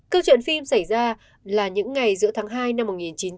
câu chuyện phim xảy ra là những ngày giữa tháng hai năm một nghìn chín trăm bốn mươi bảy